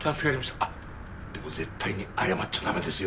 あっでも絶対に謝っちゃ駄目ですよ。